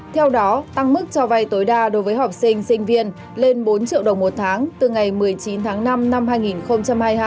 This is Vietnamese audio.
theo đó tăng mức cho vay tối đa đối với học sinh sinh viên lên bốn triệu đồng một tháng từ ngày một mươi chín tháng năm năm hai nghìn hai mươi hai